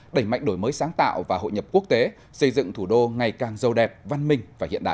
đẩy mạnh đổi mới sáng tạo và hội nhập quốc tế xây dựng thủ đô ngày càng dâu đẹp văn minh và hiện đại